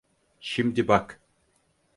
Şimdi bak.